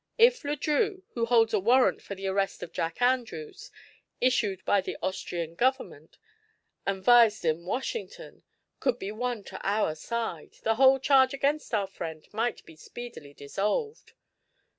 If Le Drieux, who holds a warrant for the arrest of Jack Andrews, issued by the Austrian government and vised in Washington, could be won to our side, the whole charge against our friend might be speedily dissolved."